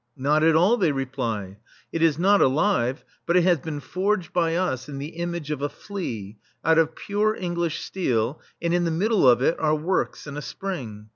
"Not at all," they reply ; "it is not alive, but it has been forged by us in the image of a flea, out of pure English steel, and in the middle of it are works and a spring.